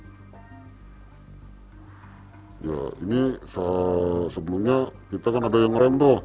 untuk bisa mengambil handphone tanpa ada rasa apa